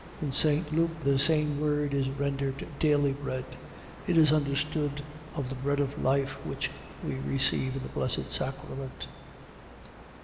. .In St. Luke the same word is rendered daily bread. It is understood of the bread of life, which we receive in the Blessed Sacrament.